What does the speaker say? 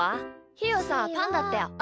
ひーはさパンだったよ。